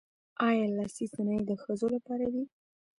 آیا لاسي صنایع د ښځو لپاره دي؟